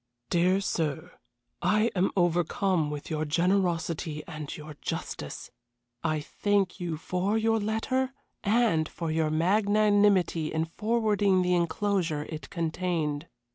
"DEAR SIR, I am overcome with your generosity and your justice. I thank you for your letter and for your magnanimity in forwarding the enclosure it contained.